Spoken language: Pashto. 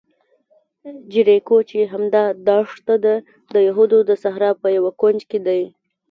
جیریکو چې همدا دښته ده، د یهودو د صحرا په یوه کونج کې دی.